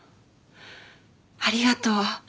ありがとう。